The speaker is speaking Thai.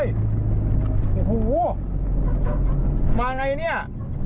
เฮ้ยโอ้โหมาไงเนี่ย